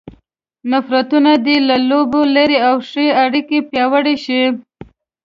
نفرتونه دې له لوبې لیرې او ښې اړیکې پیاوړې شي.